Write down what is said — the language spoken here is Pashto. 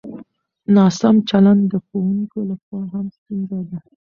ناسم چلند د ښوونکو له خوا هم ستونزه ده.